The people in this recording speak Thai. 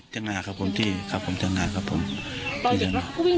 จุดที่สาธารณะครับผมที่ครับผมสาธารณะครับผมตอนเด็กแล้วเขาก็วิ่ง